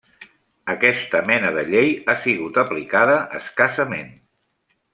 Aquesta mena de llei ha sigut aplicada escassament.